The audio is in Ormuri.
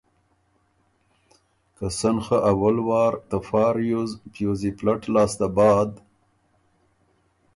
که سن خه اول وار ته فا ریوز پیوزی پلټ لاسته بعد